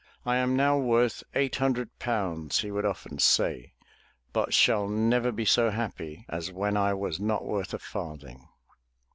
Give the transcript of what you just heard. "I am now worth eight hundred pounds," he would often say "but shall never be so happy as when I was not worth a farthing."